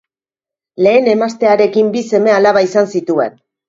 Lehen emaztearekin bi seme-alaba izan zituen.